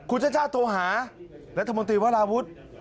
ครุฒิชาติโทหารัฐมนตรีวราวุฒิ